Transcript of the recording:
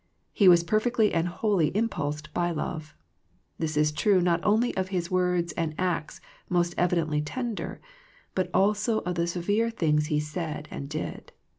He was perfectly and wholly impulsed by love. This is true not only of His words and acts most evidently ten der, but also of the severe things He said and did.